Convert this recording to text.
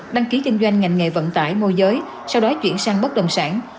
đăng ký kinh doanh ngành nghề vận tải môi giới sau đó chuyển sang bất đồng sản